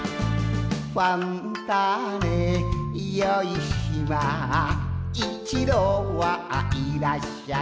「ファンターネよい島」「一度はいらっしゃい」